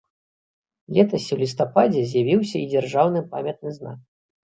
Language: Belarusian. Летась у лістападзе з'явіўся і дзяржаўны памятны знак.